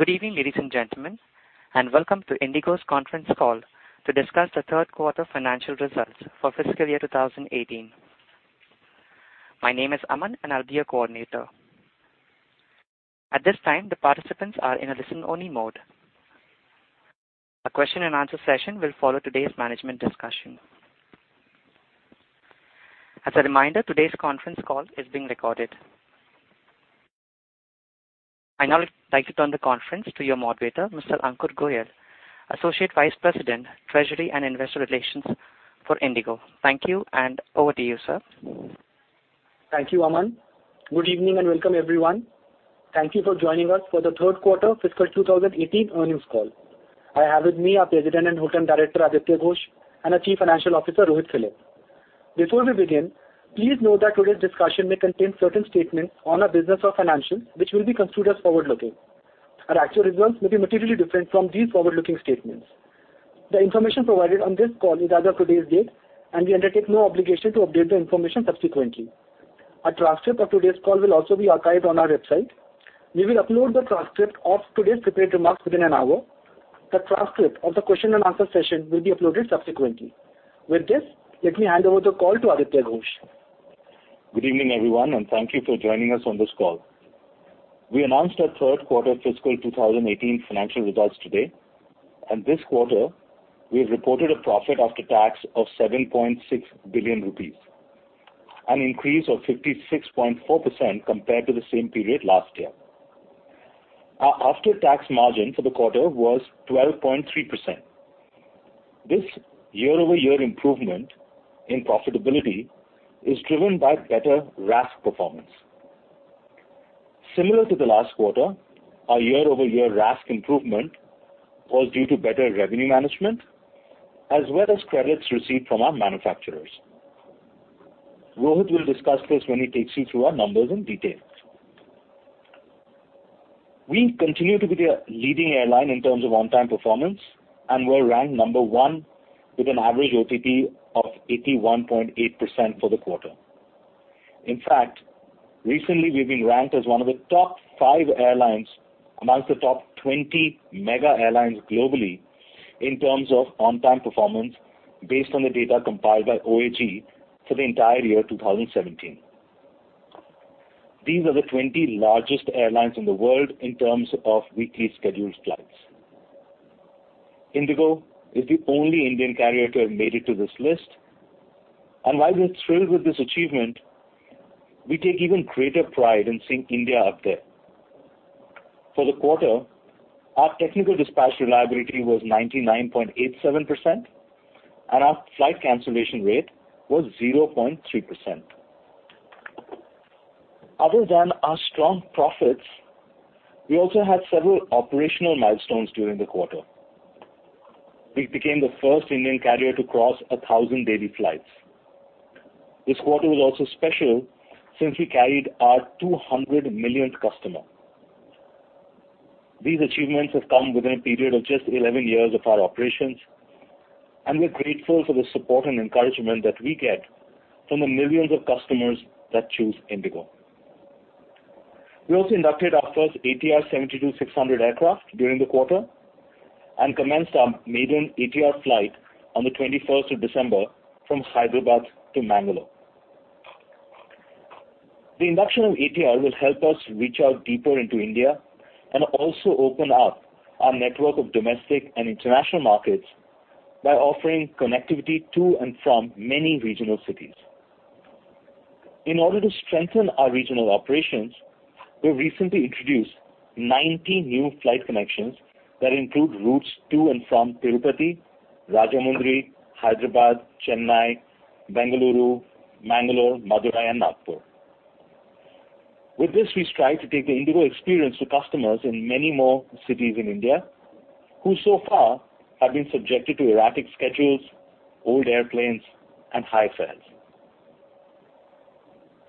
Good evening, ladies and gentlemen, and welcome to IndiGo's conference call to discuss the third quarter financial results for fiscal year 2018. My name is Aman, and I'll be your coordinator. At this time, the participants are in a listen-only mode. A question and answer session will follow today's management discussion. As a reminder, today's conference call is being recorded. I now would like to turn the conference to your moderator, Mr. Ankur Goel, Associate Vice President, Treasury and Investor Relations for IndiGo. Thank you, and over to you, sir. Thank you, Aman. Good evening and welcome, everyone. Thank you for joining us for the third quarter fiscal 2018 earnings call. I have with me our President and Managing Director, Aditya Ghosh, and our Chief Financial Officer, Rohit Philip. Before we begin, please note that today's discussion may contain certain statements on our business or financials which will be considered as forward-looking. Our actual results may be materially different from these forward-looking statements. The information provided on this call is as of today's date, and we undertake no obligation to update the information subsequently. A transcript of today's call will also be archived on our website. We will upload the transcript of today's prepared remarks within an hour. The transcript of the question and answer session will be uploaded subsequently. With this, let me hand over the call to Aditya Ghosh. Good evening, everyone, and thank you for joining us on this call. We announced our third quarter fiscal 2018 financial results today, and this quarter we have reported a profit after tax of 7.6 billion rupees, an increase of 56.4% compared to the same period last year. Our after-tax margin for the quarter was 12.3%. This year-over-year improvement in profitability is driven by better RASK performance. Similar to the last quarter, our year-over-year RASK improvement was due to better revenue management, as well as credits received from our manufacturers. Rohit will discuss this when he takes you through our numbers in detail. We continue to be the leading airline in terms of on-time performance and were ranked number one with an average OTP of 81.8% for the quarter. In fact, recently we've been ranked as one of the top five airlines amongst the top 20 mega airlines globally in terms of on-time performance based on the data compiled by OAG for the entire year 2017. These are the 20 largest airlines in the world in terms of weekly scheduled flights. IndiGo is the only Indian carrier to have made it to this list. While we are thrilled with this achievement, we take even greater pride in seeing India up there. For the quarter, our technical dispatch reliability was 99.87%, and our flight cancellation rate was 0.3%. Other than our strong profits, we also had several operational milestones during the quarter. We became the first Indian carrier to cross 1,000 daily flights. This quarter was also special since we carried our 200 millionth customer. These achievements have come within a period of just 11 years of our operations, we're grateful for the support and encouragement that we get from the millions of customers that choose IndiGo. We also inducted our first ATR 72-600 aircraft during the quarter and commenced our maiden ATR flight on the 21st of December from Hyderabad to Mangalore. The induction of ATR will help us reach out deeper into India and also open up our network of domestic and international markets by offering connectivity to and from many regional cities. In order to strengthen our regional operations, we have recently introduced 19 new flight connections that include routes to and from Tirupati, Rajahmundry, Hyderabad, Chennai, Bengaluru, Mangalore, Madurai, and Nagpur. With this, we strive to take the IndiGo experience to customers in many more cities in India who so far have been subjected to erratic schedules, old airplanes, and high fares.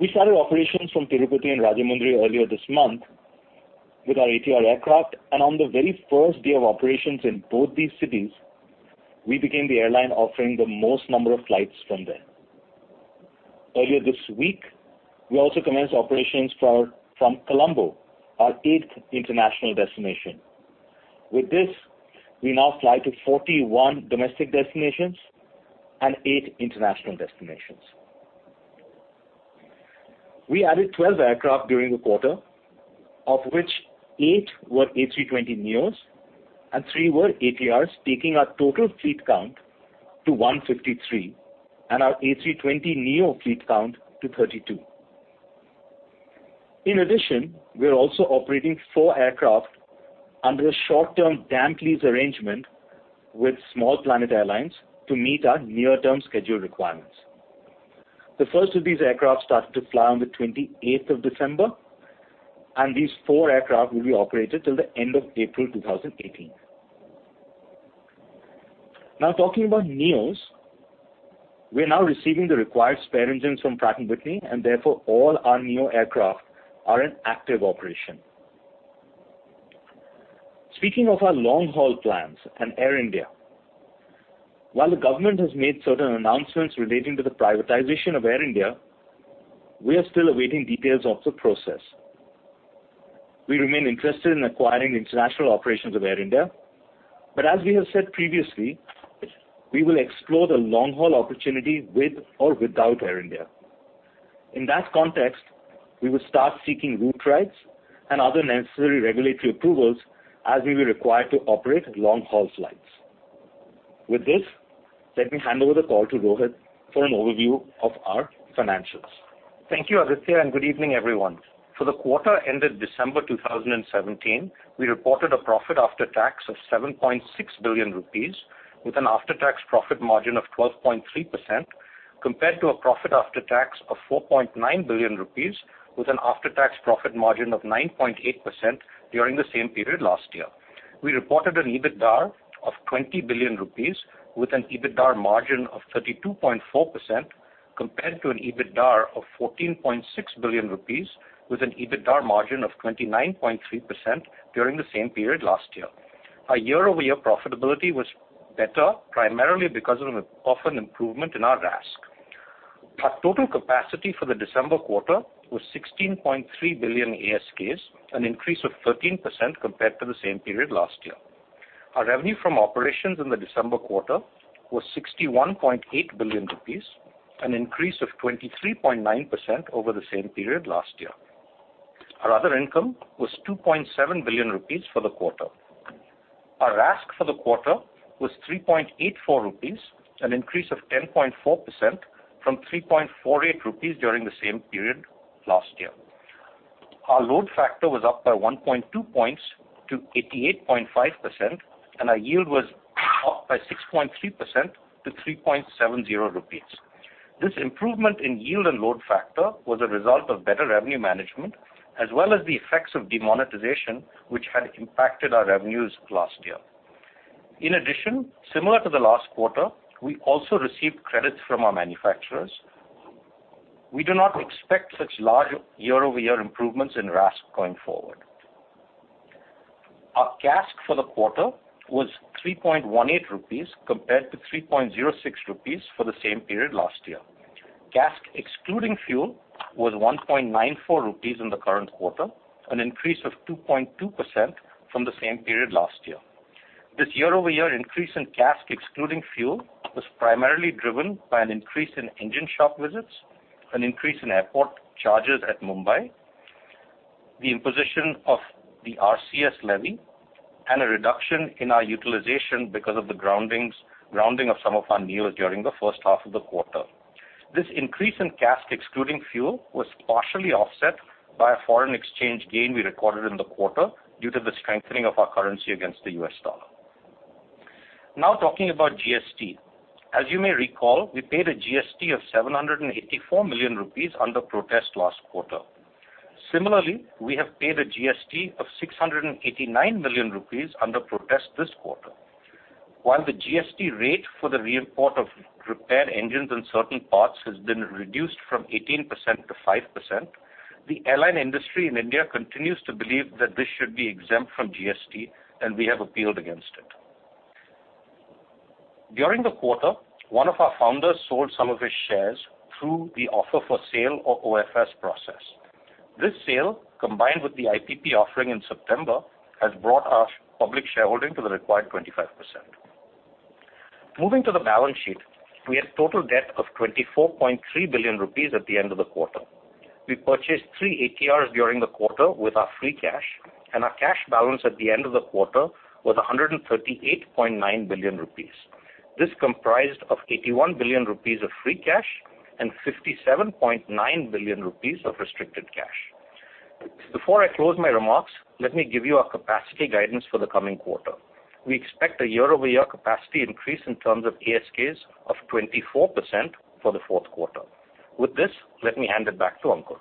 We started operations from Tirupati and Rajahmundry earlier this month with our ATR aircraft, on the very first day of operations in both these cities, we became the airline offering the most number of flights from there. Earlier this week, we also commenced operations from Colombo, our eighth international destination. With this, we now fly to 41 domestic destinations and eight international destinations. We added 12 aircraft during the quarter, of which eight were A320neos and three were ATRs, taking our total fleet count to 153 and our A320neo fleet count to 32. In addition, we are also operating four aircraft under a short-term damp lease arrangement with Small Planet Airlines to meet our near-term schedule requirements. The first of these aircraft started to fly on the 28th of December, these four aircraft will be operated till the end of April 2018. Talking about neos, we are now receiving the required spare engines from Pratt & Whitney, therefore, all our neo aircraft are in active operation. Speaking of our long-haul plans and Air India While the government has made certain announcements relating to the privatization of Air India, we are still awaiting details of the process. We remain interested in acquiring the international operations of Air India, as we have said previously, we will explore the long-haul opportunity with or without Air India. In that context, we will start seeking route rights and other necessary regulatory approvals as we will require to operate long-haul flights. With this, let me hand over the call to Rohit for an overview of our financials. Thank you, Aditya, good evening, everyone. For the quarter ended December 2017, we reported a profit after tax of 7.6 billion rupees with an after-tax profit margin of 12.3%, compared to a profit after tax of 4.9 billion rupees with an after-tax profit margin of 9.8% during the same period last year. We reported an EBITDA of 20 billion rupees with an EBITDA margin of 32.4%, compared to an EBITDA of 14.6 billion rupees with an EBITDA margin of 29.3% during the same period last year. Our year-over-year profitability was better, primarily because of an improvement in our RASK. Our total capacity for the December quarter was 16.3 billion ASKs, an increase of 13% compared to the same period last year. Our revenue from operations in the December quarter was 61.8 billion rupees, an increase of 23.9% over the same period last year. Our other income was 2.7 billion rupees for the quarter. Our RASK for the quarter was 3.84 rupees, an increase of 10.4% from 3.48 rupees during the same period last year. Our load factor was up by 1.2 points to 88.5%, and our yield was up by 6.3% to 3.70 rupees. This improvement in yield and load factor was a result of better revenue management, as well as the effects of demonetization, which had impacted our revenues last year. Similar to the last quarter, we also received credits from our manufacturers. We do not expect such large year-over-year improvements in RASK going forward. Our CASK for the quarter was 3.18 rupees compared to 3.06 rupees for the same period last year. CASK excluding fuel was 1.94 rupees in the current quarter, an increase of 2.2% from the same period last year. This year-over-year increase in CASK excluding fuel was primarily driven by an increase in engine shop visits, an increase in airport charges at Mumbai, the imposition of the RCS levy, and a reduction in our utilization because of the grounding of some of our newer during the first half of the quarter. This increase in CASK excluding fuel was partially offset by a foreign exchange gain we recorded in the quarter due to the strengthening of our currency against the US dollar. Talking about GST. As you may recall, we paid a GST of 784 million rupees under protest last quarter. Similarly, we have paid a GST of 689 million rupees under protest this quarter. While the GST rate for the re-import of repaired engines and certain parts has been reduced from 18% to 5%, the airline industry in India continues to believe that this should be exempt from GST, and we have appealed against it. During the quarter, one of our founders sold some of his shares through the offer for sale or OFS process. This sale, combined with the IPP offering in September, has brought our public shareholding to the required 25%. Moving to the balance sheet, we had total debt of 24.3 billion rupees at the end of the quarter. We purchased three ATRs during the quarter with our free cash, and our cash balance at the end of the quarter was 138.9 billion rupees. This comprised of 81 billion rupees of free cash and 57.9 billion rupees of restricted cash. Before I close my remarks, let me give you our capacity guidance for the coming quarter. We expect a year-over-year capacity increase in terms of ASKs of 24% for the fourth quarter. With this, let me hand it back to Ankur.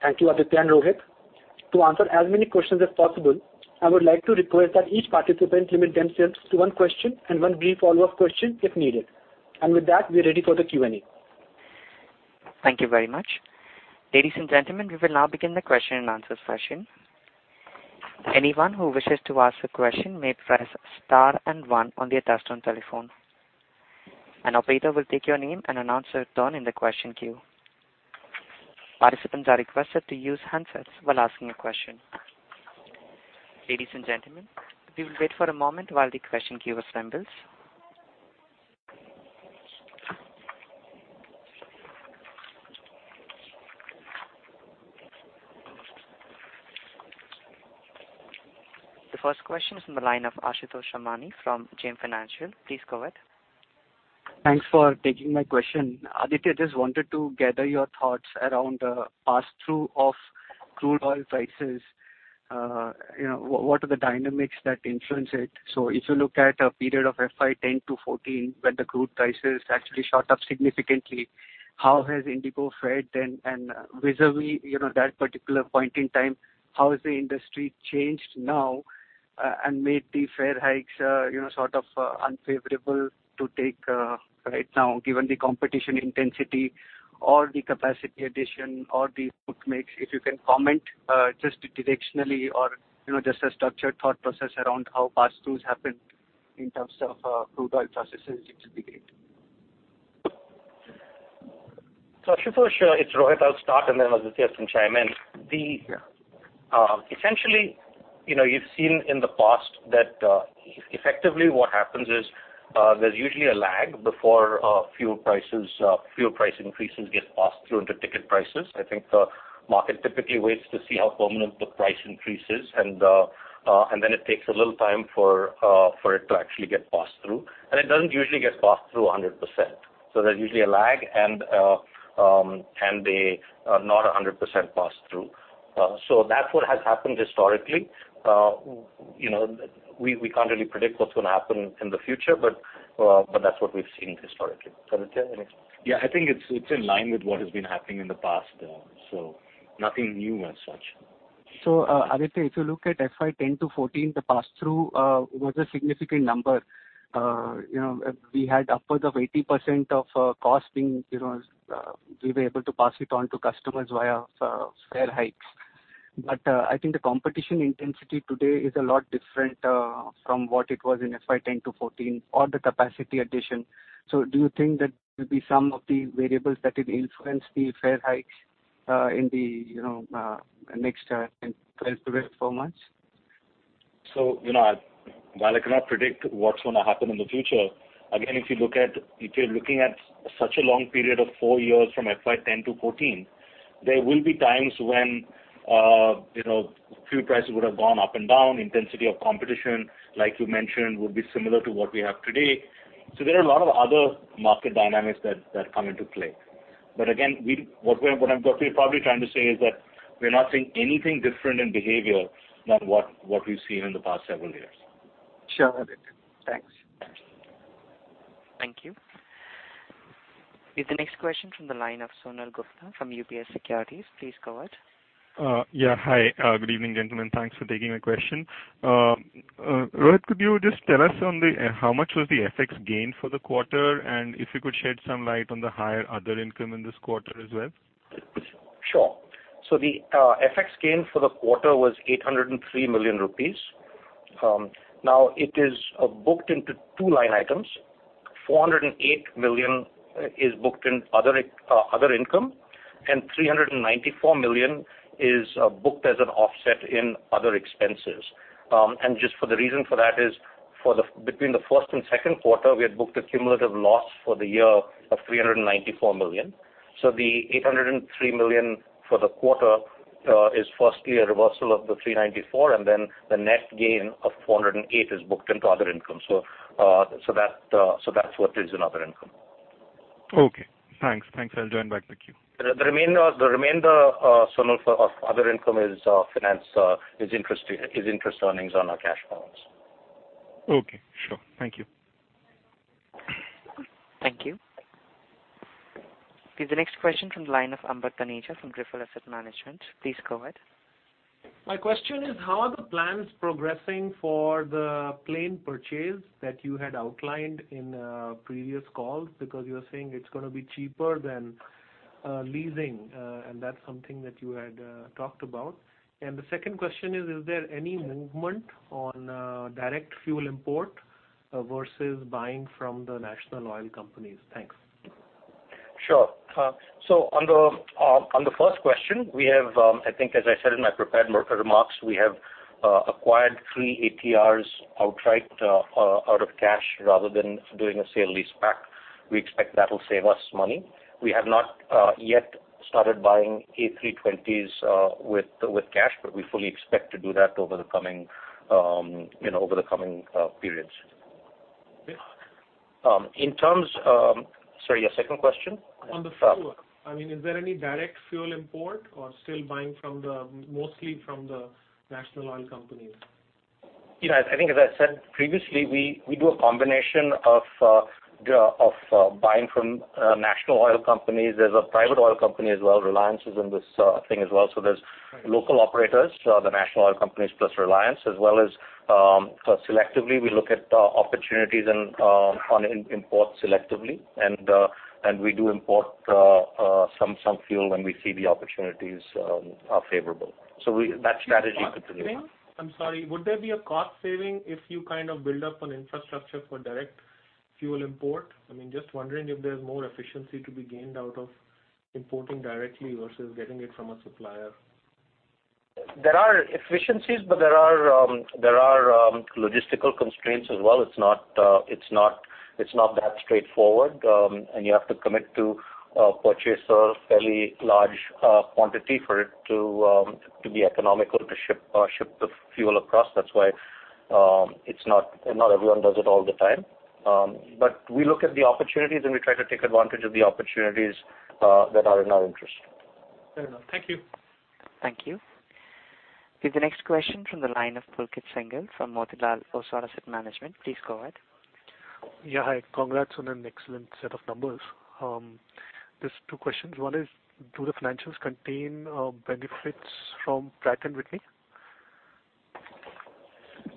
Thank you, Aditya and Rohit. To answer as many questions as possible, I would like to request that each participant limit themselves to one question and one brief follow-up question if needed. With that, we are ready for the Q&A. Thank you very much. Ladies and gentlemen, we will now begin the question and answer session. Anyone who wishes to ask a question may press star and one on their telephone. An operator will take your name and announce your turn in the question queue. Participants are requested to use handsets while asking a question. Ladies and gentlemen, we will wait for a moment while the question queue assembles. The first question is on the line of Ashutosh Ramani from JM Financial. Please go ahead. Thanks for taking my question. Aditya, just wanted to gather your thoughts around the pass-through of crude oil prices. What are the dynamics that influence it? If you look at a period of FY 2010 to 2014, when the crude prices actually shot up significantly, how has IndiGo fared? Vis-a-vis that particular point in time, how has the industry changed now and made the fare hikes unfavorable to take right now, given the competition intensity or the capacity addition or the book mix? If you can comment just directionally or just a structured thought process around how pass-throughs happen in terms of crude oil prices, it will be great. Ashutosh, it's Rohit. I'll start and then Aditya can chime in. Essentially, you've seen in the past that effectively what happens is, there's usually a lag before fuel price increases get passed through into ticket prices. I think the market typically waits to see how permanent the price increase is, then it takes a little time for it to actually get passed through. It doesn't usually get passed through 100%. There's usually a lag and a not 100% pass-through. That's what has happened historically. We can't really predict what's going to happen in the future, but that's what we've seen historically. Aditya, any? I think it's in line with what has been happening in the past. Nothing new as such. Aditya, if you look at FY 2010 to 2014, the pass-through was a significant number. We had upwards of 80% of cost, we were able to pass it on to customers via fare hikes. I think the competition intensity today is a lot different from what it was in FY 2010 to 2014 or the capacity addition. Do you think that will be some of the variables that will influence the fare hikes in the next 12 to 18 months? While I cannot predict what's going to happen in the future, again, if you're looking at such a long period of four years from FY 2010 to 2014, there will be times when fuel prices would have gone up and down, intensity of competition, like you mentioned, would be similar to what we have today. There are a lot of other market dynamics that come into play. Again, what I'm probably trying to say is that we're not seeing anything different in behavior than what we've seen in the past several years. Sure, Aditya. Thanks. Thank you. With the next question from the line of Sonal Gupta from UBS Securities. Please go ahead. Yeah. Hi, good evening, gentlemen. Thanks for taking my question. Rohit, could you just tell us how much was the FX gain for the quarter? If you could shed some light on the higher other income in this quarter as well? Sure. The FX gain for the quarter was 803 million rupees. It is booked into two line items. 408 million is booked in other income and 394 million is booked as an offset in other expenses. Just for the reason for that is, between the first and second quarter, we had booked a cumulative loss for the year of 394 million. The 803 million for the quarter is firstly a reversal of the 394, then the net gain of 408 is booked into other income. That's what is in other income. Okay, thanks. I'll join back the queue. The remainder, Sonal, of other income is interest earnings on our cash balance. Okay, sure. Thank you. Thank you. With the next question from the line of Ambar Taneja from Grifol Asset Management. Please go ahead. My question is, how are the plans progressing for the plane purchase that you had outlined in previous calls? You were saying it's going to be cheaper than leasing, and that's something that you had talked about. The second question is there any movement on direct fuel import versus buying from the national oil companies? Thanks. Sure. On the first question, I think as I said in my prepared remarks, we have acquired three ATRs outright out of cash rather than doing a sale lease back. We expect that'll save us money. We have not yet started buying A320s with cash, but we fully expect to do that over the coming periods. Okay. Sorry, your second question? On the fuel. Is there any direct fuel import or still buying mostly from the national oil companies? Yeah, I think as I said previously, we do a combination of buying from national oil companies. There's a private oil company as well. Reliance is in this thing as well. There's local operators, the national oil companies plus Reliance, as well as selectively, we look at opportunities on import selectively. We do import some fuel when we see the opportunities are favorable. That strategy continues. I'm sorry, would there be a cost saving if you build up an infrastructure for direct fuel import? I mean, just wondering if there's more efficiency to be gained out of importing directly versus getting it from a supplier. There are efficiencies, there are logistical constraints as well. It's not that straightforward. You have to commit to purchase a fairly large quantity for it to be economical to ship the fuel across. That's why not everyone does it all the time. We look at the opportunities, and we try to take advantage of the opportunities that are in our interest. Fair enough. Thank you. Thank you. With the next question from the line of Pulkit Singhal from Motilal Oswal Asset Management. Please go ahead. Yeah, hi. Congrats on an excellent set of numbers. Just two questions. One is, do the financials contain benefits from Pratt & Whitney?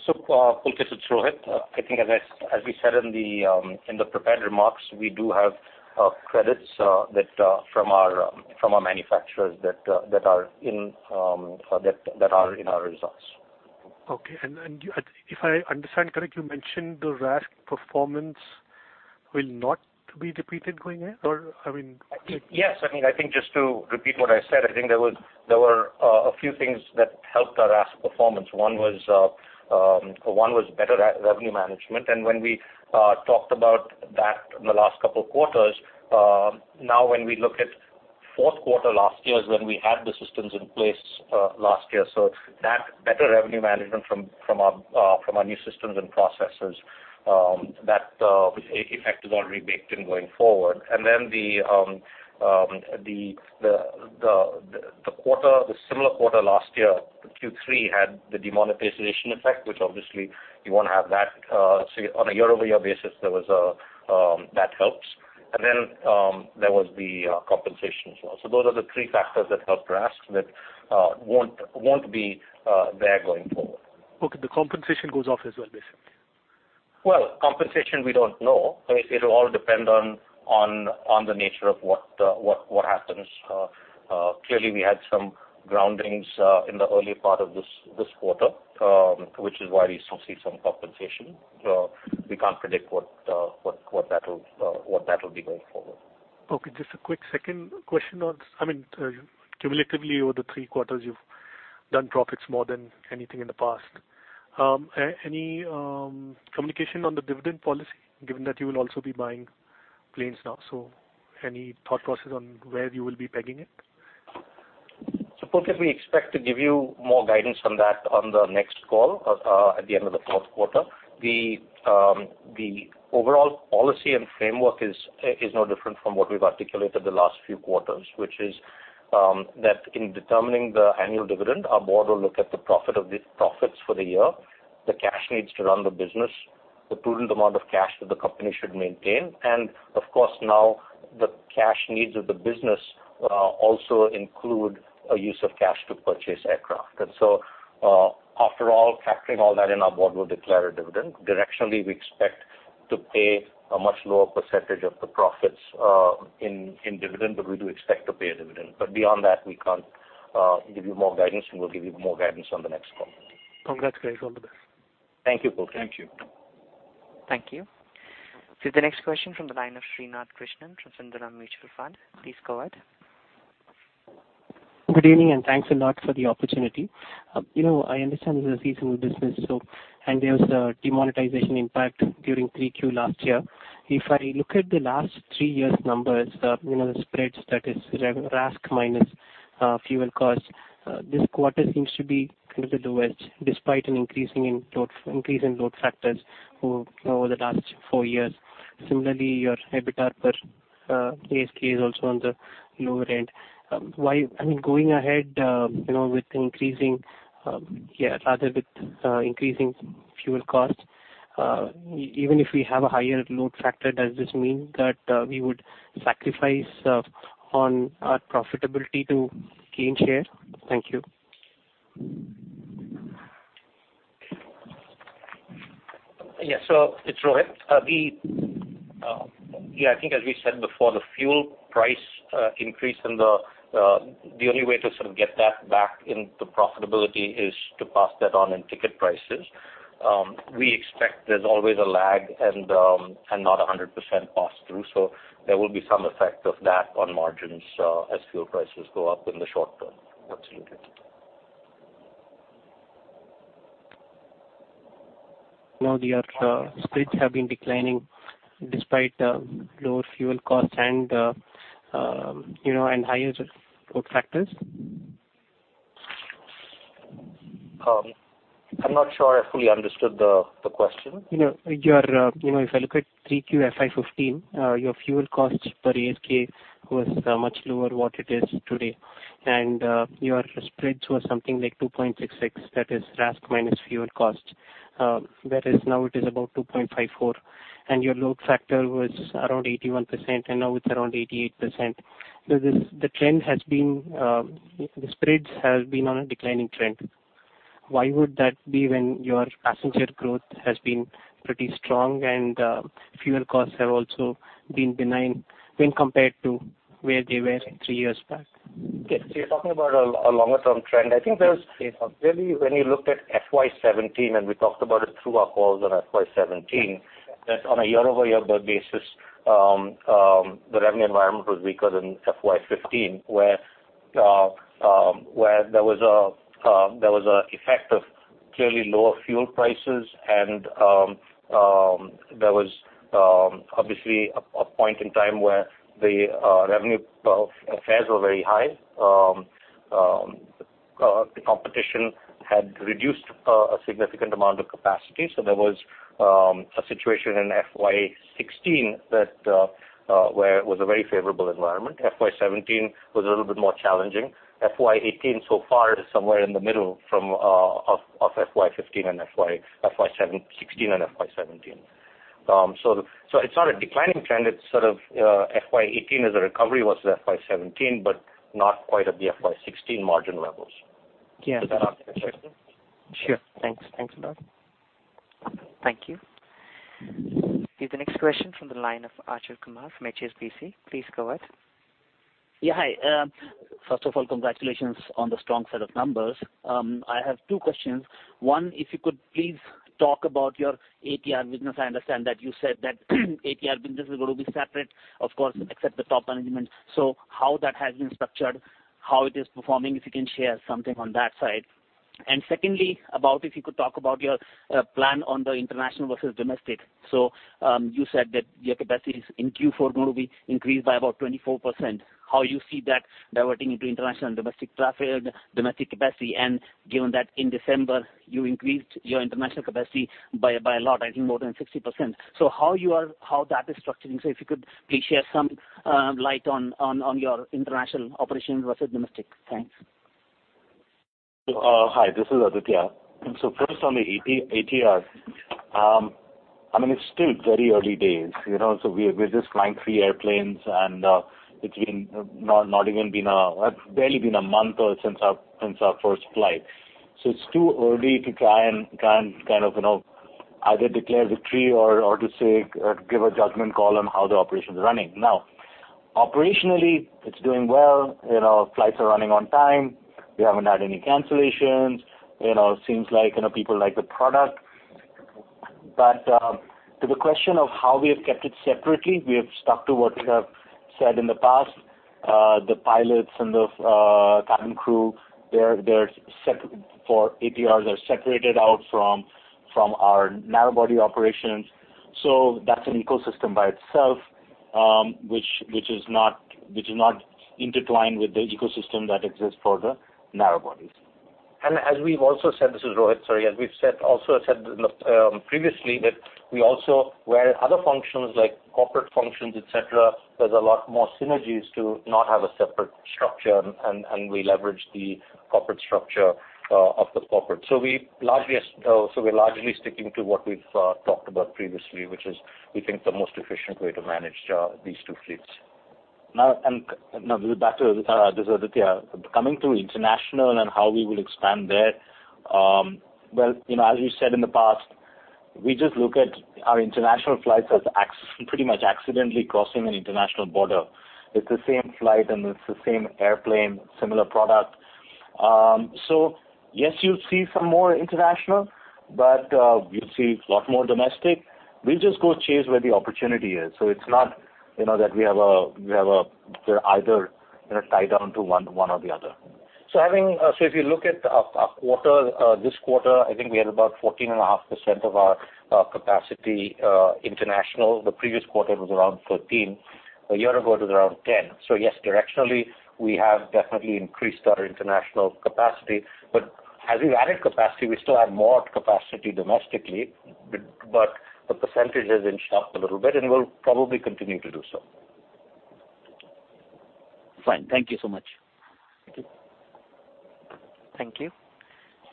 Pulkit, it's Rohit. I think as we said in the prepared remarks, we do have credits from our manufacturers that are in our results. Okay. If I understand correctly, you mentioned the RASK performance will not be repeated going in? Or? Yes. I think just to repeat what I said, I think there were a few things that helped our RASK performance. One was better revenue management. When we talked about that in the last couple of quarters, now when we look at fourth quarter last year is when we had the systems in place last year. That better revenue management from our new systems and processes, that effect is already baked in going forward. The similar quarter last year, Q3, had the demonetization effect, which obviously you won't have that. On a year-over-year basis, that helps. There was the compensation as well. Those are the three factors that helped RASK that won't be there going forward. Okay. The compensation goes off as well, basically. Well, compensation, we don't know. It'll all depend on the nature of what happens. Clearly, we had some groundings in the early part of this quarter, which is why we still see some compensation. We can't predict what that'll be going forward. Okay, just a quick second question on this. Cumulatively, over the three quarters, you've done profits more than anything in the past. Any communication on the dividend policy, given that you will also be buying planes now? Any thought process on where you will be pegging it? Pulkit, we expect to give you more guidance on that on the next call, at the end of the fourth quarter. The overall policy and framework is no different from what we've articulated the last few quarters, which is that in determining the annual dividend, our board will look at the profits for the year, the cash needs to run the business, the prudent amount of cash that the company should maintain, and of course, now the cash needs of the business also include a use of cash to purchase aircraft. After all, factoring all that in, our board will declare a dividend. Directionally, we expect to pay a much lower percentage of the profits in dividend, but we do expect to pay a dividend. Beyond that, we can't give you more guidance. We will give you more guidance on the next call. Congrats, guys. All the best. Thank you, Pulkit. Thank you. Thank you. The next question from the line of S. Krishnakumar from Sundaram Mutual Fund. Please go ahead. Good evening, thanks a lot for the opportunity. I understand this is a seasonal business, there was a demonetization impact during 3Q last year. If I look at the last 3 years' numbers, the spreads that is RASK minus fuel cost, this quarter seems to be the lowest, despite an increase in load factors over the last 4 years. Similarly, your EBITDA per ASK is also on the lower end. Going ahead with increasing fuel cost, even if we have a higher load factor, does this mean that we would sacrifice on our profitability to gain share? Thank you. Yeah. It's Rohit. I think as we said before, the fuel price increase, the only way to sort of get that back into profitability is to pass that on in ticket prices. We expect there's always a lag and not 100% pass-through. There will be some effect of that on margins as fuel prices go up in the short term. Absolutely. Your spreads have been declining despite lower fuel costs and higher load factors. I'm not sure I fully understood the question. If I look at 3Q FY 2015, your fuel costs per ASK was much lower what it is today. Your spreads were something like 2.66, that is RASK minus fuel cost. Whereas now it is about 2.54, your load factor was around 81%, and now it's around 88%. The spreads have been on a declining trend. Why would that be when your passenger growth has been pretty strong and fuel costs have also been benign when compared to where they were three years back? You're talking about a longer-term trend. I think really, when you looked at FY 2017, and we talked about it through our calls on FY 2017, that on a year-over-year basis, the revenue environment was weaker than FY 2015, where there was an effect of clearly lower fuel prices. There was obviously a point in time where the fares were very high. The competition had reduced a significant amount of capacity. There was a situation in FY 2016 that was a very favorable environment. FY 2017 was a little bit more challenging. FY 2018 so far is somewhere in the middle of FY 2016 and FY 2017. It's not a declining trend. FY 2018 as a recovery versus FY 2017, but not quite at the FY 2016 margin levels. Does that answer your question? Sure. Thanks a lot. Thank you. Here's the next question from the line of Achal Kumar from HSBC. Please go ahead. Hi. First of all, congratulations on the strong set of numbers. I have two questions. One, if you could please talk about your ATR business. I understand that you said that ATR business is going to be separate, of course, except the top management. How that has been structured, how it is performing, if you can share something on that side. Secondly, if you could talk about your plan on the international versus domestic. You said that your capacity is in Q4 going to be increased by about 24%. How you see that diverting into international and domestic traffic, domestic capacity, and given that in December you increased your international capacity by a lot, I think more than 60%. How that is structuring? If you could please share some light on your international operations versus domestic. Thanks. Hi, this is Aditya. First on the ATR. It's still very early days. We're just flying three airplanes, and it's barely been a month or since our first flight. It's too early to try and either declare victory or to give a judgment call on how the operation's running. Operationally, it's doing well. Flights are running on time. We haven't had any cancellations. Seems like people like the product. To the question of how we have kept it separately, we have stuck to what we have said in the past. The pilots and the cabin crew for ATRs are separated out from our narrow body operations. That's an ecosystem by itself, which is not intertwined with the ecosystem that exists for the narrow bodies. As we've also said, this is Rohit, sorry. As we've also said previously that where other functions like corporate functions, et cetera, there's a lot more synergies to not have a separate structure, and we leverage the corporate structure of the corporate. We're largely sticking to what we've talked about previously, which is we think the most efficient way to manage these two fleets. Back to Aditya. This is Aditya. Coming to international and how we will expand there. As we said in the past, we just look at our international flights as pretty much accidentally crossing an international border. It's the same flight and it's the same airplane, similar product. Yes, you'll see some more international, but you'll see a lot more domestic. We'll just go chase where the opportunity is. It's not that we have either tie down to one or the other. If you look at our quarter, this quarter, I think we had about 14.5% of our capacity international. The previous quarter was around 13%. A year ago, it was around 10%. Yes, directionally, we have definitely increased our international capacity. As we've added capacity, we still have more capacity domestically, but the percentage has inched up a little bit and will probably continue to do so. Fine. Thank you so much. Thank you. Thank you.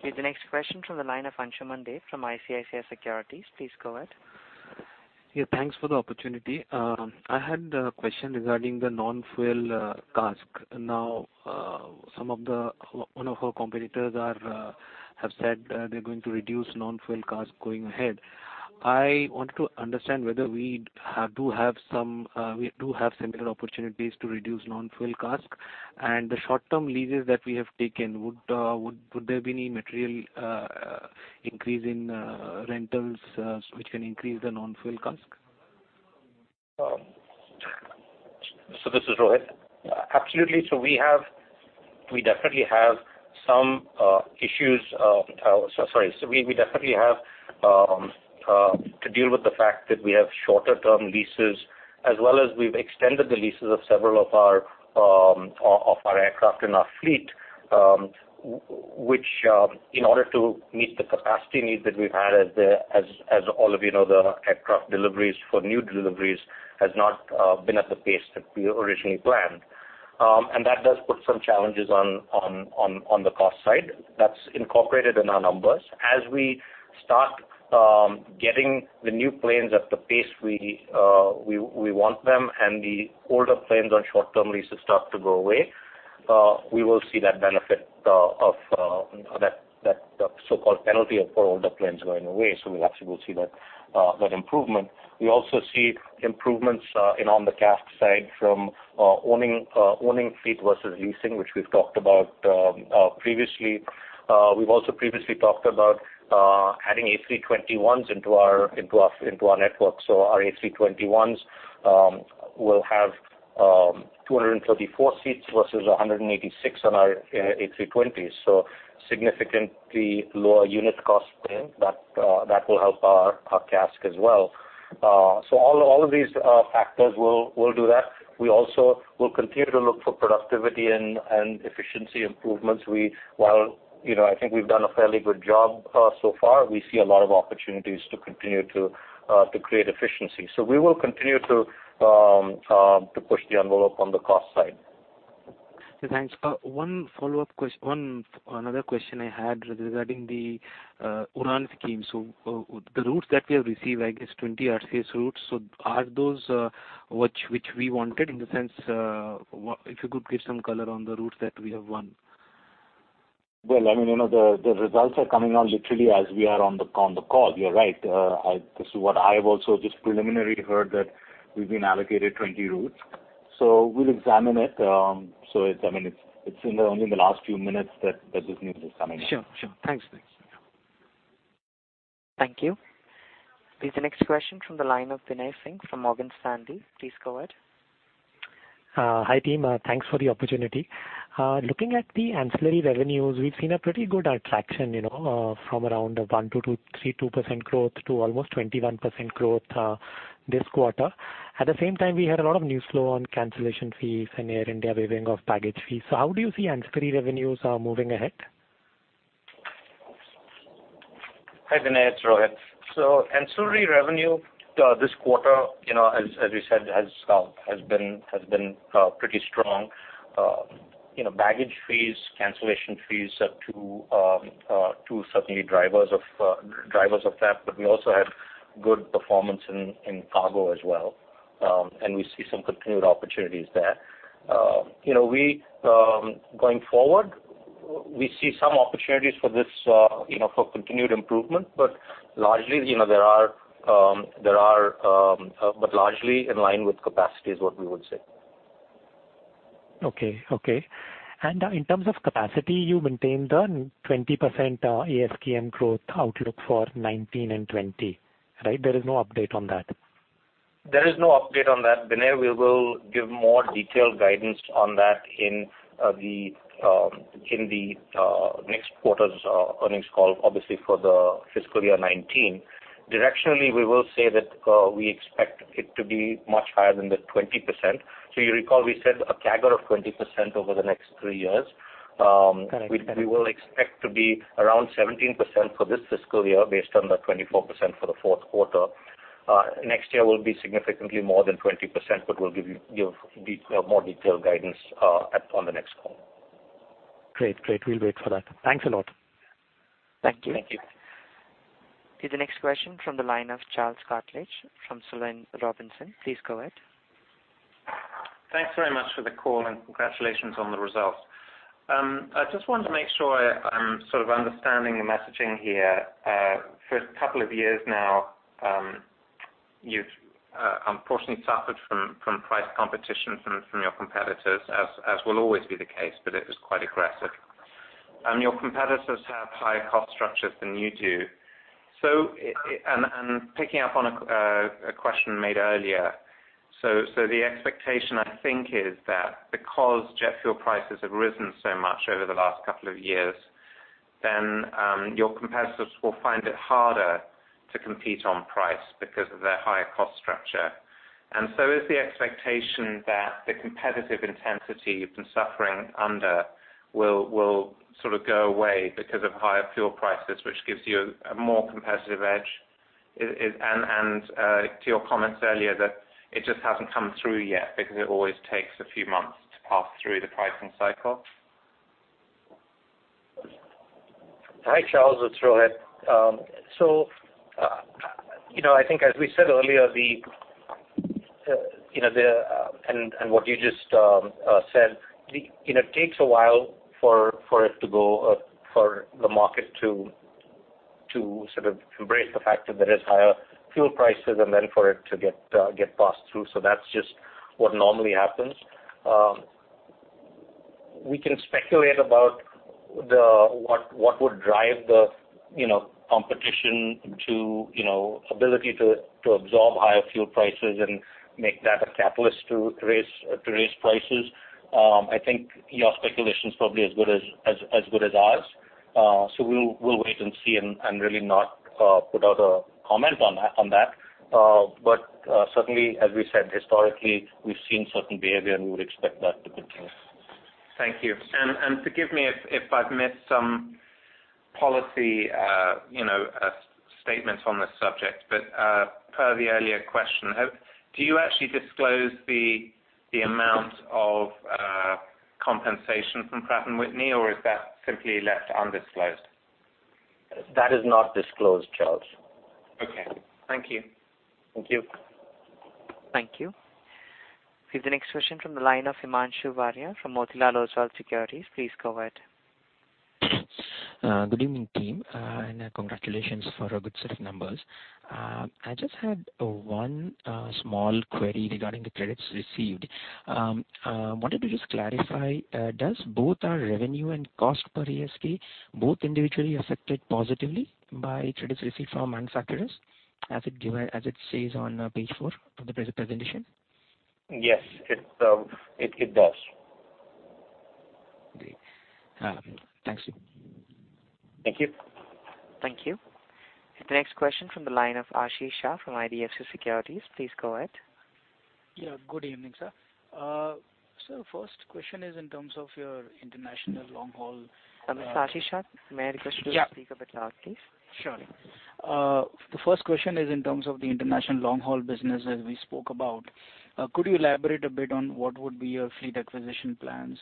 Here's the next question from the line of Ansuman Deb from ICICI Securities. Please go ahead. Yeah, thanks for the opportunity. I had a question regarding the non-fuel CASK. One of our competitors have said they are going to reduce non-fuel CASK going ahead. I want to understand whether we do have similar opportunities to reduce non-fuel CASK, and the short-term leases that we have taken, would there be any material increase in rentals which can increase the non-fuel CASK? This is Rohit Philip. Absolutely. We definitely have to deal with the fact that we have shorter term leases as well as we've extended the leases of several of our aircraft in our fleet, which in order to meet the capacity needs that we've had as all of you know the aircraft deliveries for new deliveries has not been at the pace that we originally planned. That does put some challenges on the cost side. That's incorporated in our numbers. As we start getting the new planes at the pace we want them and the older planes on short-term leases start to go away, we will see that benefit of that so-called penalty of older planes going away. We actually will see that improvement. We also see improvements in on the CASK side from owning fleet versus leasing, which we've talked about previously. We've also previously talked about adding A321s into our network. Our A321s will have 234 seats versus 186 on our A320s. Significantly lower unit cost plane that will help our CASK as well. All of these factors will do that. We also will continue to look for productivity and efficiency improvements. I think we've done a fairly good job so far. We see a lot of opportunities to continue to create efficiency. We will continue to push the envelope on the cost side. Thanks. One other question I had regarding the UDAN scheme. The routes that we have received, I guess 20 RCS routes. Are those which we wanted? In the sense, if you could give some color on the routes that we have won. Well, the results are coming on literally as we are on the call. You're right. This is what I have also just preliminarily heard that we've been allocated 20 routes. We'll examine it. It's only in the last few minutes that this news is coming in. Sure. Thanks. Thank you. The next question from the line of Vinay Singh from Morgan Stanley. Please go ahead. Hi, team. Thanks for the opportunity. Looking at the ancillary revenues, we've seen a pretty good attraction from around a 1% to 32% growth to almost 21% growth this quarter. At the same time, we had a lot of news flow on cancellation fees and Air India waiving of baggage fees. How do you see ancillary revenues moving ahead? Hi, Vinay. It is Rohit. Ancillary revenue this quarter, as we said, has been pretty strong. Baggage fees, cancellation fees are two certainly drivers of that, but we also had good performance in cargo as well. We see some continued opportunities there. Going forward, we see some opportunities for continued improvement, but largely in line with capacity is what we would say. Okay. In terms of capacity, you maintained the 20% ASKM growth outlook for 2019 and 2020. Right? There is no update on that? There is no update on that, Vinay. We will give more detailed guidance on that in the next quarter's earnings call, obviously for the fiscal year 2019. Directionally, we will say that we expect it to be much higher than the 20%. You recall we said a CAGR of 20% over the next three years. Got it. We will expect to be around 17% for this fiscal year based on the 24% for the fourth quarter. Next year will be significantly more than 20%, but we'll give more detailed guidance on the next call. Great. We'll wait for that. Thanks a lot. Thank you. Thank you. The next question from the line of Charles Cartledge from Sloane Robinson. Please go ahead. Thanks very much for the call and congratulations on the results. I just wanted to make sure I'm understanding the messaging here. For a couple of years now, you've unfortunately suffered from price competition from your competitors, as will always be the case, but it was quite aggressive. Your competitors have higher cost structures than you do. Picking up on a question made earlier, the expectation, I think, is that because jet fuel prices have risen so much over the last couple of years, your competitors will find it harder to compete on price because of their higher cost structure. Is the expectation that the competitive intensity you've been suffering under will sort of go away because of higher fuel prices, which gives you a more competitive edge? To your comments earlier, that it just hasn't come through yet because it always takes a few months to pass through the pricing cycle? Hi, Charles. It's Rohit. I think as we said earlier, what you just said, it takes a while for the market to sort of embrace the fact that there is higher fuel prices and then for it to get passed through. That's just what normally happens. We can speculate about what would drive the competition to ability to absorb higher fuel prices and make that a catalyst to raise prices. I think your speculation's probably as good as ours. We'll wait and see and really not put out a comment on that. Certainly, as we said, historically, we've seen certain behavior, and we would expect that to continue. Thank you. Forgive me if I've missed some policy statement on this subject, per the earlier question, do you actually disclose the amount of compensation from Pratt & Whitney, or is that simply left undisclosed? That is not disclosed, Charles. Okay. Thank you. Thank you. Thank you. The next question from the line of Himanshu Varia from Motilal Oswal Securities. Please go ahead. Good evening, team, and congratulations for a good set of numbers. I just had one small query regarding the credits received. Wanted to just clarify, does both our revenue and cost per ASK both individually affected positively by credits received from manufacturers as it says on page four of the presentation? Yes. It does. Great. Thanks. Thank you. Thank you. The next question from the line of Ashish Shah from IDFC Securities. Please go ahead. Yeah. Good evening, sir. First question is in terms of your international long haul. Ashish Shah, may I request you to speak a bit loud, please? Sure. The first question is in terms of the international long-haul business, as we spoke about. Could you elaborate a bit on what would be your fleet acquisition plans,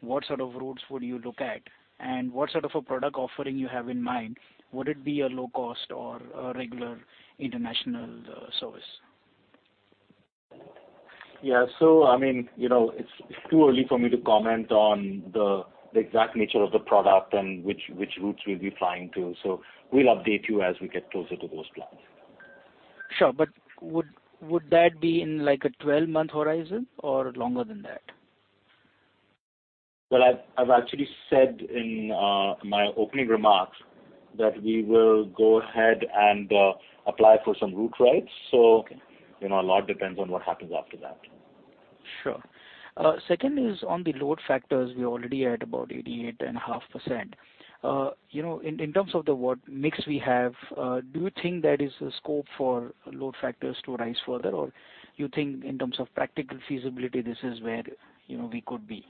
what sort of routes would you look at? What sort of a product offering you have in mind? Would it be a low cost or a regular international service? Yeah. It's too early for me to comment on the exact nature of the product and which routes we'll be flying to. We'll update you as we get closer to those plans. Sure. Would that be in a 12-month horizon or longer than that? Well, I've actually said in my opening remarks that we will go ahead and apply for some route rights. Okay. A lot depends on what happens after that. Sure. Second is on the load factors; we already are at about 88.5%. In terms of the what mix we have, do you think there is a scope for load factors to rise further? You think in terms of practical feasibility, this is where we could be?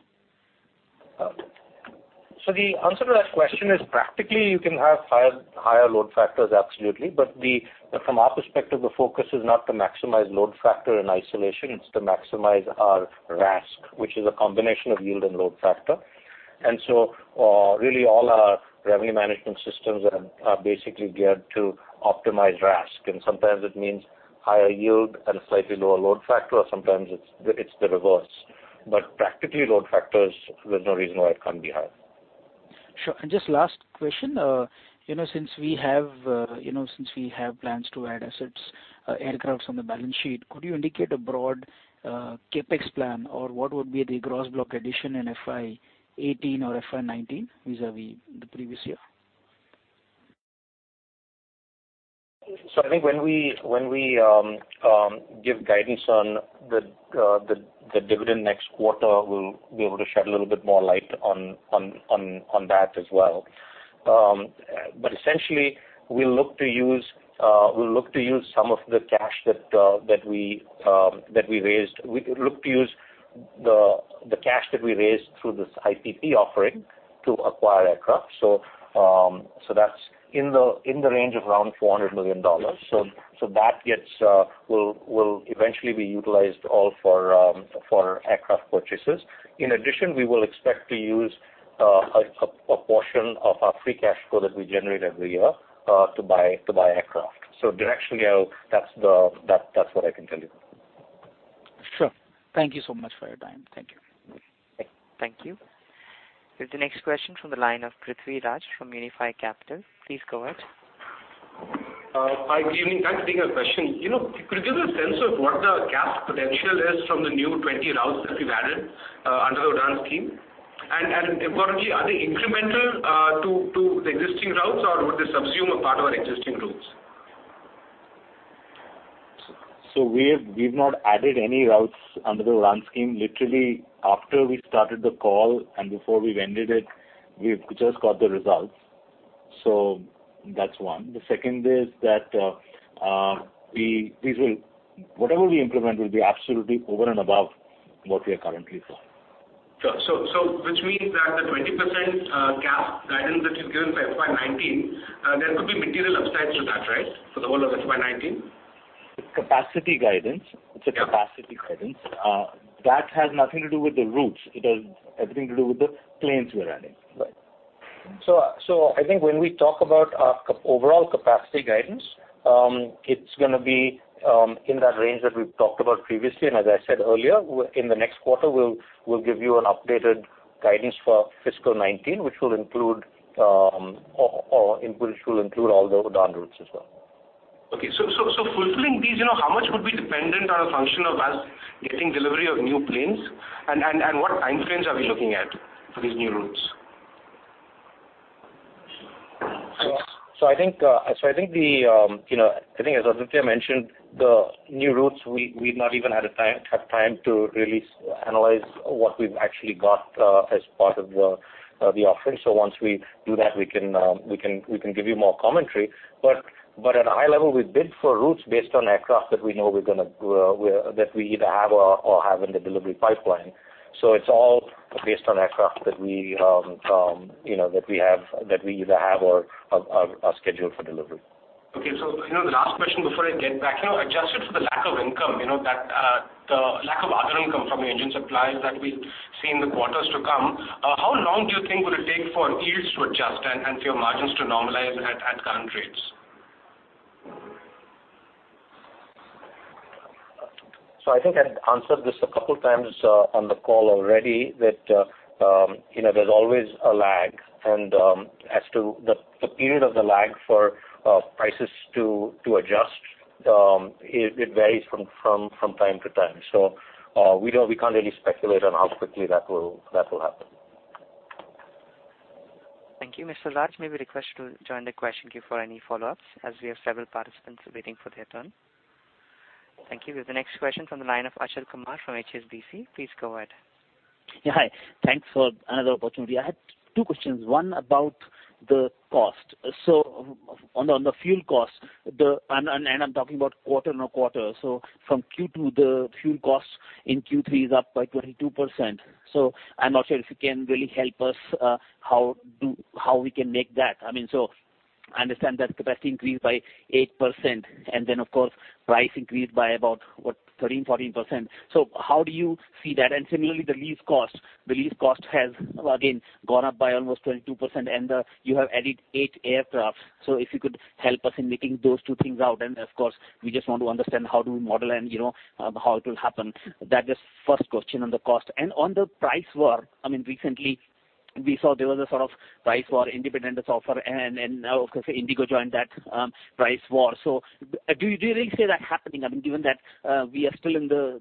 The answer to that question is practically you can have higher load factors, absolutely. From our perspective, the focus is not to maximize load factor in isolation, it's to maximize our RASK, which is a combination of yield and load factor. Really all our revenue management systems are basically geared to optimize RASK. Sometimes it means higher yield and a slightly lower load factor, or sometimes it's the reverse. Practically load factors, there's no reason why it can't be high. Sure. Just last question. Since we have plans to add assets, aircrafts on the balance sheet, could you indicate a broad CapEx plan? What would be the gross block addition in FY 2018 or FY 2019 vis-a-vis the previous year? I think when we give guidance on the dividend next quarter, we'll be able to shed a little bit more light on that as well. Essentially, we'll look to use some of the cash that we raised. We look to use the cash that we raised through this IPP offering to acquire aircraft. That's in the range of around $400 million. That will eventually be utilized all for aircraft purchases. In addition, we will expect to use a portion of our free cash flow that we generate every year, to buy aircraft. Directionally, that's what I can tell you. Sure. Thank you so much for your time. Thank you. Thank you. With the next question from the line of Prithvi Raj from Unifi Capital. Please go ahead. Hi, good evening. Thanks for taking our question. Could you give a sense of what the ASK potential is from the new 20 routes that you've added under the UDAN scheme? Importantly, are they incremental to the existing routes or would they subsume a part of our existing routes? We've not added any routes under the UDAN scheme. Literally after we started the call and before we've ended it, we've just got the results. That's one. The second is that whatever we implement will be absolutely over and above what we are currently flying. Sure. Which means that the 20% ASK guidance that you've given for FY 2019, there could be material upside to that, right? For the whole of FY 2019. It's a capacity guidance. Yeah. That has nothing to do with the routes. It has everything to do with the planes we are adding. Right. I think when we talk about our overall capacity guidance, it's going to be in that range that we've talked about previously and as I said earlier. In the next quarter, we'll give you an updated guidance for fiscal 2019, which will include all the UDAN routes as well. Okay. Fulfilling these, how much would be dependent on a function of us getting delivery of new planes? What time frames are we looking at for these new routes? I think as Aditya mentioned, the new routes, we've not even had time to really analyze what we've actually got as part of the offering. Once we do that, we can give you more commentary. At a high level, we bid for routes based on aircraft that we either have or have in the delivery pipeline. It's all based on aircraft that we either have or are scheduled for delivery. Okay. The last question before I get back. Adjusted for the lack of income, the lack of other income from the engine suppliers that we see in the quarters to come, how long do you think would it take for yields to adjust and for your margins to normalize at current rates? I think I've answered this a couple of times on the call already that there's always a lag. As to the period of the lag for prices to adjust, it varies from time to time. We can't really speculate on how quickly that will happen. Thank you. Mr. Raj, you may be requested to join the question queue for any follow-ups as we have several participants waiting for their turn. Thank you. With the next question from the line of Achal Kumar from HSBC. Please go ahead. Hi. Thanks for another opportunity. I had two questions. One about the cost. On the fuel cost, and I'm talking about quarter-on-quarter. From Q2, the fuel cost in Q3 is up by 22%. I'm not sure if you can really help us how we can make that. I understand that capacity increased by 8%, and then of course, price increased by about, what, 13%-14%. How do you see that? Similarly, the lease cost. The lease cost has again gone up by almost 22%, and you have added eight aircraft. If you could help us in making those two things out, and of course, we just want to understand how do we model and how it will happen. That is first question on the cost. On the price war, recently we saw there was a sort of price war, independent offer, and now, of course, IndiGo joined that price war. Do you really see that happening? Given that we are still in the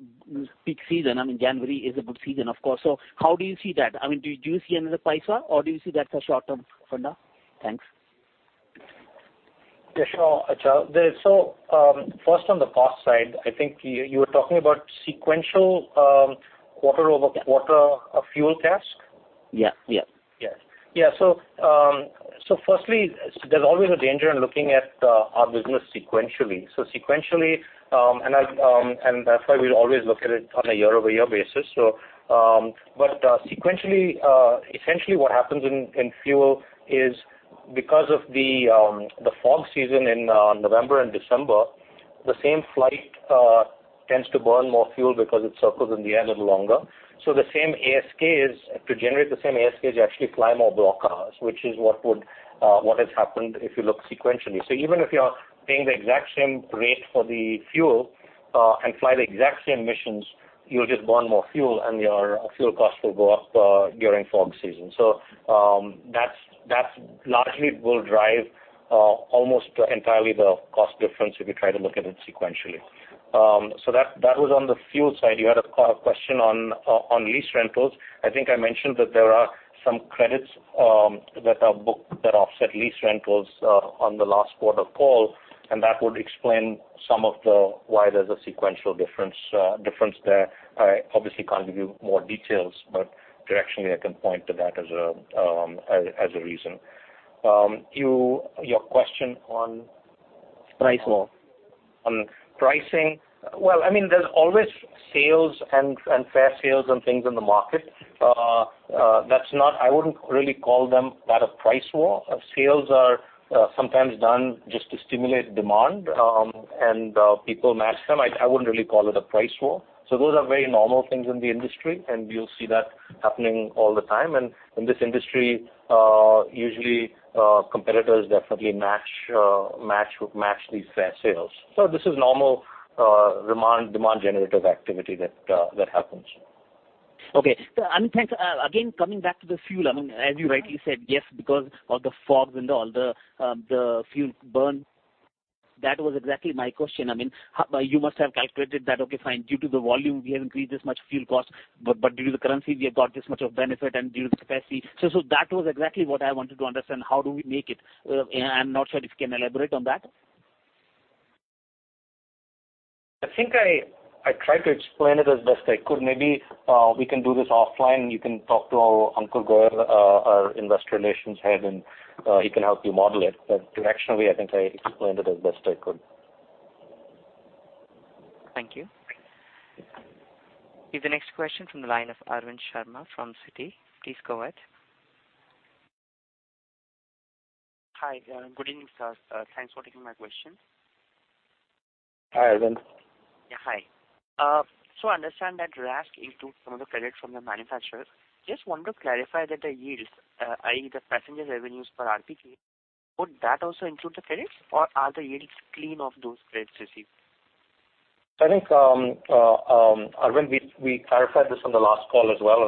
peak season, January is a good season, of course. How do you see that? Do you see another price war, or do you see that's a short-term phenomena? Thanks. Sure. Achal. First on the cost side, I think you were talking about sequential quarter-over-quarter fuel CASK? Yeah. Yeah. Firstly, there is always a danger in looking at our business sequentially. Sequentially, and that's why we always look at it on a year-over-year basis. Sequentially, essentially what happens in fuel is because of the fog season in November and December, the same flight tends to burn more fuel because it circles in the air little longer. To generate the same ASK, you actually fly more block hours, which is what has happened if you look sequentially. Even if you are paying the exact same rate for the fuel, and fly the exact same missions, you will just burn more fuel, and your fuel cost will go up during fog season. That largely will drive almost entirely the cost difference if you try to look at it sequentially. That was on the fuel side. You had a question on lease rentals. I think I mentioned that there are some credits that are booked that offset lease rentals on the last quarter call, and that would explain some of why there is a sequential difference there. I obviously cannot give you more details, but directionally, I can point to that as a reason. Your question on- Price war on pricing. Well, there is always sales and fare sales and things in the market. I would not really call that a price war. Sales are sometimes done just to stimulate demand, and people match them. I would not really call it a price war. Those are very normal things in the industry, and you will see that happening all the time. In this industry, usually, competitors definitely match these fare sales. This is normal demand generative activity that happens. Okay. Thanks. Again, coming back to the fuel. As you rightly said, yes, because of the fog and all the fuel burn. That was exactly my question. You must have calculated that, okay, fine, due to the volume, we have increased this much fuel cost, but due to the currency, we have got this much of benefit, and due to the capacity. That was exactly what I wanted to understand. How do we make it? I'm not sure if you can elaborate on that. I think I tried to explain it as best I could. Maybe we can do this offline, and you can talk to Ankur Goel, our Head of Investor Relations, and he can help you model it. Directionally, I think I explained it as best I could. Thank you. The next question from the line of Arvind Sharma from Citi. Please go ahead. Hi. Good evening, sir. Thanks for taking my question. Hi, Arvind. Yeah. Hi. I understand that RASK includes some of the credits from the manufacturer. Just want to clarify that the yields, i.e., the passenger revenues per RPK, would that also include the credits, or are the yields clean of those credits received? I think, Arvind, we clarified this on the last call as well,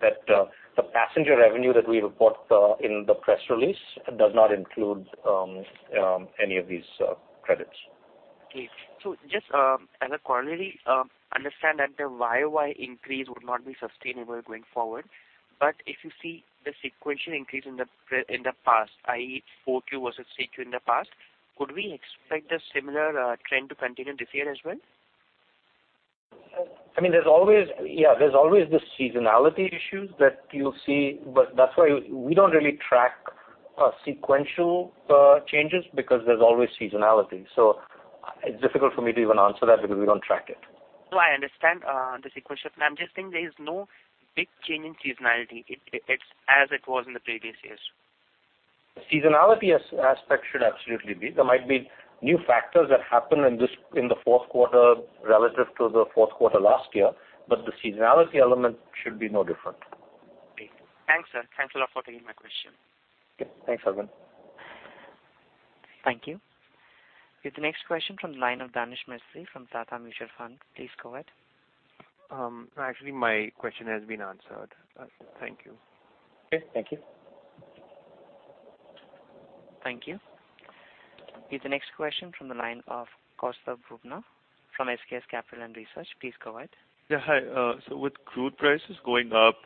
that the passenger revenue that we report in the press release does not include any of these credits. Okay. Just as a corollary, understand that the YOY increase would not be sustainable going forward. If you see the sequential increase in the past, i.e., 4Q versus 3Q in the past, could we expect a similar trend to continue this year as well? There's always the seasonality issues that you'll see. That's why we don't really track sequential changes because there's always seasonality. It's difficult for me to even answer that because we don't track it. No, I understand the sequential. I'm just saying there is no big change in seasonality as it was in the previous years. The seasonality aspect should absolutely be. There might be new factors that happen in the fourth quarter relative to the fourth quarter last year, the seasonality element should be no different. Okay. Thanks, sir. Thanks a lot for taking my question. Okay. Thanks, Arvind. Thank you. The next question from the line of Danish Mehta from Tata Mutual Fund. Please go ahead. Actually, my question has been answered. Thank you. Okay. Thank you. Thank you. The next question from the line of Kaustubh Rubna from SKS Capital & Research. Please go ahead. Yeah. Hi. With crude prices going up,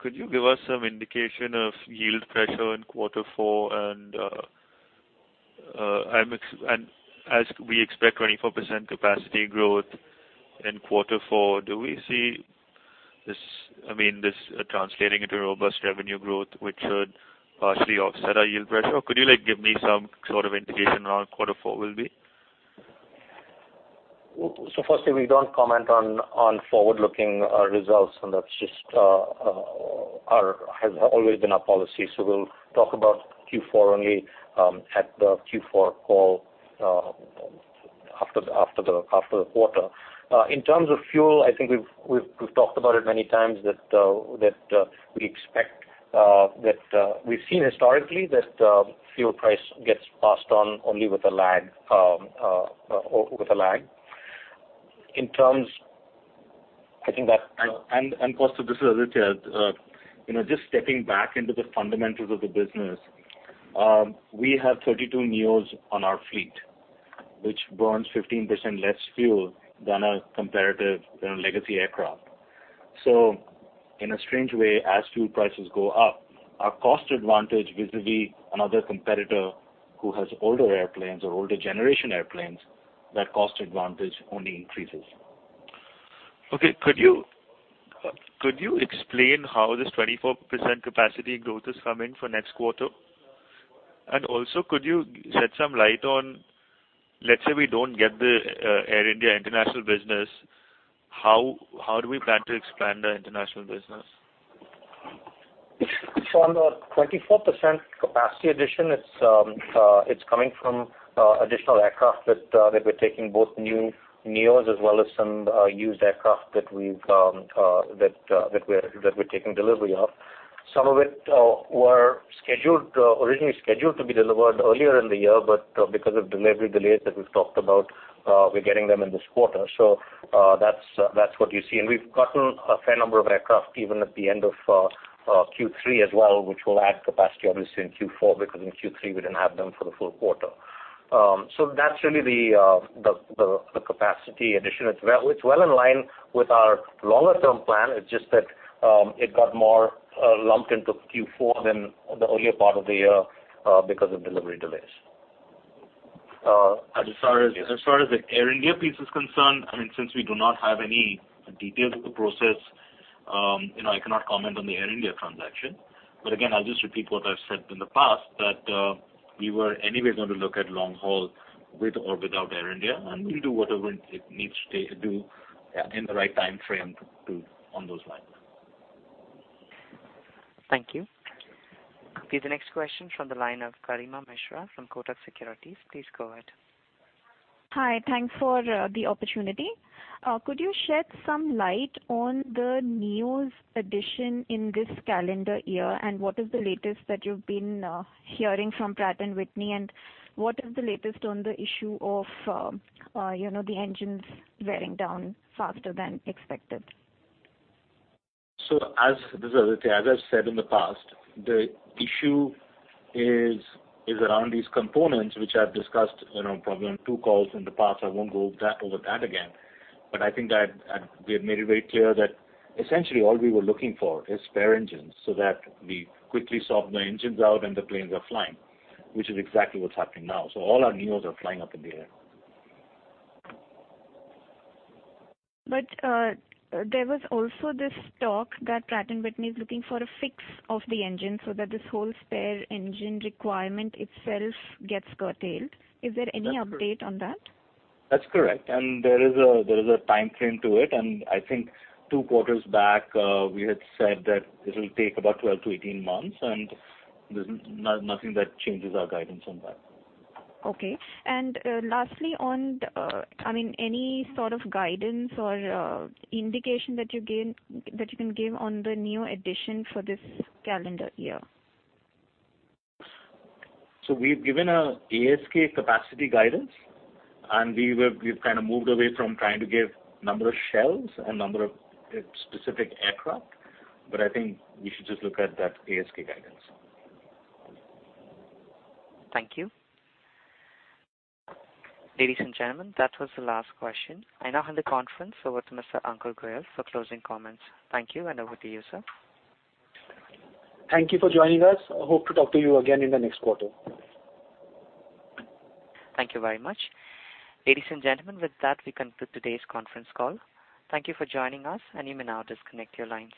could you give us some indication of yield pressure in quarter four? As we expect 24% capacity growth in quarter four, do we see this translating into robust revenue growth, which should partially offset our yield pressure? Could you give me some sort of indication how quarter four will be? Firstly, we don't comment on forward-looking results, that has always been our policy. We'll talk about Q4 only at the Q4 call after the quarter. In terms of fuel, I think we've talked about it many times that we've seen historically that fuel price gets passed on only with a lag. Kaustubh, this is Aditya. Just stepping back into the fundamentals of the business, we have 32 neos on our fleet, which burns 15% less fuel than a comparative legacy aircraft. In a strange way, as fuel prices go up, our cost advantage vis-a-vis another competitor who has older airplanes or older generation airplanes, that cost advantage only increases. Okay. Could you explain how this 24% capacity growth is coming for next quarter? Also, could you shed some light on, let's say we don't get the Air India international business, how do we plan to expand the international business? On the 24% capacity addition, it's coming from additional aircraft that we're taking, both new neos as well as some used aircraft that we're taking delivery of. Some of it were originally scheduled to be delivered earlier in the year, because of delivery delays that we've talked about, we're getting them in this quarter. That's what you see. We've gotten a fair number of aircraft even at the end of Q3 as well, which will add capacity obviously in Q4, because in Q3 we didn't have them for the full quarter. That's really the capacity addition. It's well in line with our longer-term plan. It's just that it got more lumped into Q4 than the earlier part of the year because of delivery delays. As far as the Air India piece is concerned, since we do not have any details of the process, I cannot comment on the Air India transaction. Again, I'll just repeat what I've said in the past that we were anyway going to look at long haul with or without Air India, we'll do whatever it needs to do in the right timeframe to, on those lines. Thank you. Okay, the next question from the line of Garima Mishra from Kotak Securities. Please go ahead. Hi, thanks for the opportunity. Could you shed some light on the neo addition in this calendar year, what is the latest that you've been hearing from Pratt & Whitney, and what is the latest on the issue of the engines wearing down faster than expected? This is Aditya. As I've said in the past, the issue is around these components, which I've discussed probably on two calls in the past. I won't go over that again. I think that we have made it very clear that essentially all we were looking for is spare engines so that we quickly swap the engines out and the planes are flying, which is exactly what's happening now. All our neos are flying up in the air. There was also this talk that Pratt & Whitney is looking for a fix of the engine so that this whole spare engine requirement itself gets curtailed. Is there any update on that? That's correct. There is a timeframe to it, I think two quarters back, we had said that it'll take about 12-18 months, there's nothing that changes our guidance on that. Okay. Lastly on, any sort of guidance or indication that you can give on the neo addition for this calendar year? We've given a ASK capacity guidance, and we've moved away from trying to give number of shells and number of specific aircraft. I think you should just look at that ASK guidance. Thank you. Ladies and gentlemen, that was the last question. I now hand the conference over to Mr. Ankur Goel for closing comments. Thank you, and over to you, sir. Thank you for joining us. Hope to talk to you again in the next quarter. Thank you very much. Ladies and gentlemen, with that, we conclude today's conference call. Thank you for joining us, you may now disconnect your lines.